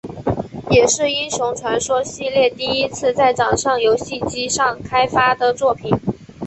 也是英雄传说系列第一次在掌上游戏机上开发的作品。